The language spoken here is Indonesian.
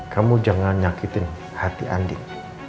kamu jangan nyakitin hati andi